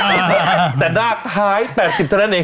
แต่ราคาท้าย๘๐จะได้อยู่